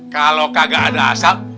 kalau kagak ada asap